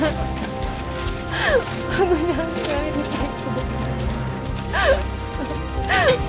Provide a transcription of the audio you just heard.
bagus yang sekali nih pak ibu